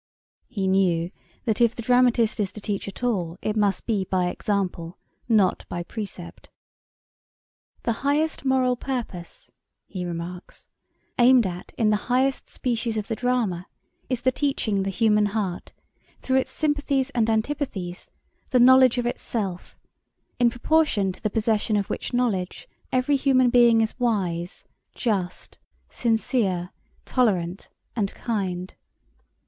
He knew that if the dramatist is to teach at all it must be by example, not by precept. 'The highest moral purpose,' he remarks, 'aimed at in the highest species of the drama, is the teaching the human heart, through its sympathies and antipathies, the knowledge of itself; in proportion to the possession of which knowledge every human being is wise, just, sincere, tolerant and kind.